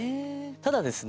ただですね